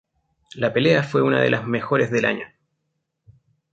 La pelea fue una de las mejores del año.